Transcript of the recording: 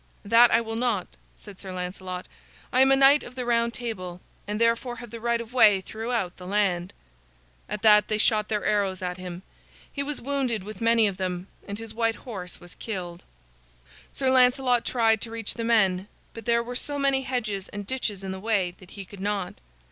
"That I will not," said Sir Lancelot. "I am a Knight of the Round Table, and therefore have the right of way throughout the land." At that they shot their arrows at him. He was wounded with many of them, and his white horse was killed. Sir Lancelot tried to reach the men, but there were so many hedges and ditches in the way that he could not.